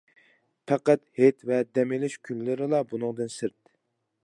پەقەت ھېيت ۋە دەم ئېلىش كۈنلىرىلا بۇنىڭدىن سىرت.